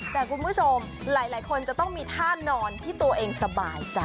แต่คุณผู้ชมหลายคนจะต้องมีท่านอนที่ตัวเองสบายใจ